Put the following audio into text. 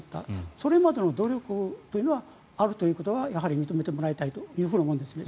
それまでの努力というのはあるということはやはり認めてもらいたいと思うんですね。